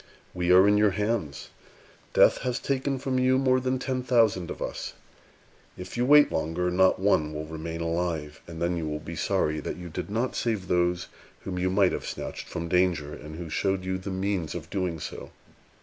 We are in your hands. Death has taken from you more than ten thousand of us. If you wait longer, not one will remain alive; and then you will be sorry that you did not save those whom you might have snatched from danger, and who showed you the means of doing so.